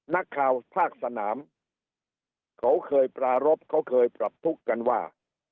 นักข่าวภาคสนามเขาเคยปรารบเขาเคยปรับทุกข์กันว่า